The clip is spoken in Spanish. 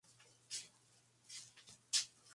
Michael McKean es la estrella invitada.